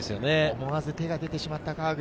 思わず手が出てしまった川口。